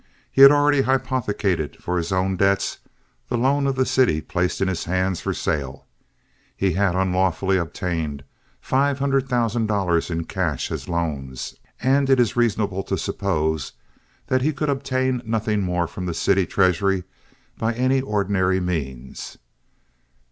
He had already hypothecated for his own debts the loan of the city placed in his hands for sale—he had unlawfully obtained five hundred thousand dollars in cash as loans; and it is reasonable to suppose that he could obtain nothing more from the city treasury by any ordinary means.